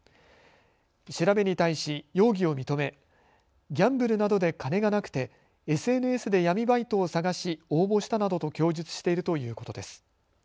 調べに対し容疑を認め、ギャンブルなどで金がなくてＳＮＳで闇バイトを探し応募したなどと供述しているということです。